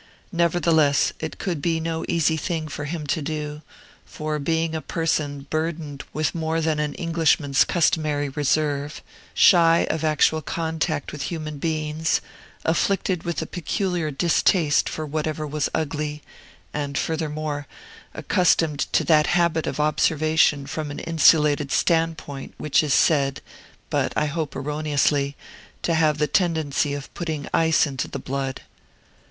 Nevertheless, it could be no easy thing for him to do, he being a person burdened with more than an Englishman's customary reserve, shy of actual contact with human beings, afflicted with a peculiar distaste for whatever was ugly, and, furthermore, accustomed to that habit of observation from an insulated stand point which is said (but, I hope, erroneously) to have the tendency of putting ice into the blood.